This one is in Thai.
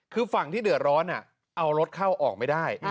คือฝั่งที่เดือดร้อนเอารถเข้าออกไม่ได้